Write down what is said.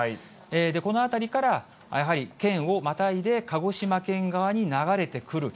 この辺りから、やはり県をまたいで、鹿児島県側に流れてくる。